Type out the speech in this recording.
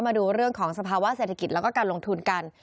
มาดูเรื่องของสภาวะเศรษฐกิจแล้วก็การลงทุนกัน